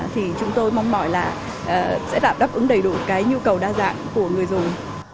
thì chúng tôi mong mỏi là sẽ đáp ứng đầy đủ cái nhu cầu đa dạng của người dùng